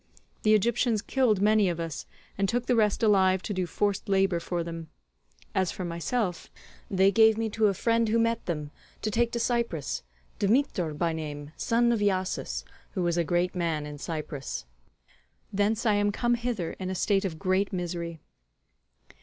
The Egyptians killed many of us, and took the rest alive to do forced labour for them; as for myself, they gave me to a friend who met them, to take to Cyprus, Dmetor by name, son of Iasus, who was a great man in Cyprus. Thence I am come hither in a state of great misery."